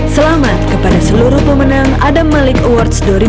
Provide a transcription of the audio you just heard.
selamat kepada seluruh pemenang adamalik awards dua ribu dua puluh dua